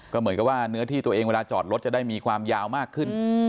ก็เหมือนกับว่าเนื้อที่ตัวเองเวลาจอดรถจะได้มีความยาวมากขึ้น